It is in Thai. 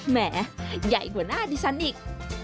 แหมใหญ่กว่าหน้าดิฉันอีก